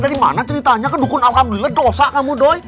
dari mana ceritanya kedukun alhamdulillah dosa kamu doi